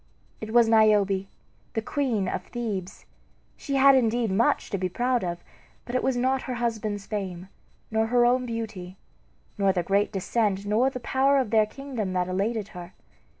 It was Niobe, the queen of Thebes. She had indeed much to be proud of; but it was not her husband's fame, nor her own beauty, nor their great descent, nor the power of their kingdom that elated her.